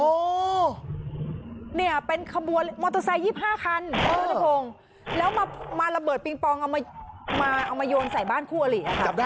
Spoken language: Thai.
โอ้เนี่ยเป็นขบัวมอเตอร์ไซค์๒๕คันแล้วมาระเบิดปิงปองเอามาโยนใส่บ้านคู่อลิ